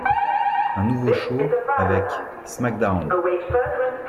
Un nouveau show avec Smackdown!